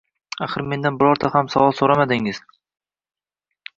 Axir mendan birorta ham savol soʻramadingiz